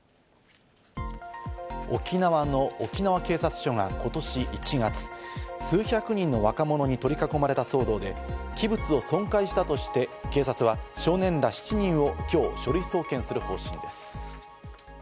沖縄の沖縄警察署が今年１月、数百人の若者に取り囲まれた騒動で、器物を損壊したとして警察は少年ら７人を今日、書類送検する方針です。